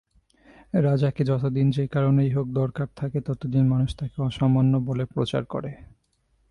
রাজাকে যতদিন যে কারণেই হোক দরকার থাকে ততদিন মানুষ তাকে অসামান্য বলে প্রচার করে।